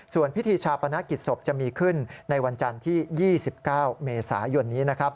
ส่วนพิธีชาปนกิจศพจะมีขึ้นในวันจันทร์ที่๒๙เมษายนนี้นะครับ